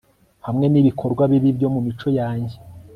hamwe n'ibikorwa bibi byo mu mico yanjye